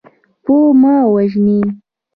پوه مه وژنئ.